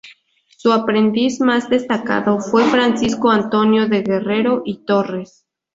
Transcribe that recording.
Su aprendiz más destacado fue Francisco Antonio de Guerrero y Torres.